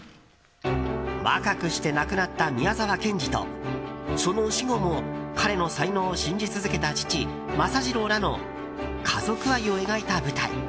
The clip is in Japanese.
若くして亡くなった宮沢賢治とその死後も彼の才能を信じ続けた父・政次郎らの家族愛を描いた舞台。